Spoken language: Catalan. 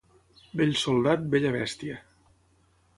Vell soldat, vella bèstia.